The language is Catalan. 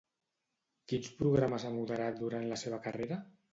Quins programes ha moderat durant la seva carrera?